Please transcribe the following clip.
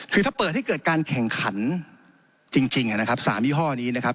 คือถ้าเปิดให้เกิดการแข่งขันจริงนะครับ๓ยี่ห้อนี้นะครับ